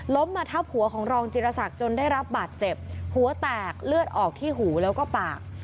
มาทับหัวของรองจิรษักจนได้รับบาดเจ็บหัวแตกเลือดออกที่หูแล้วก็ปาก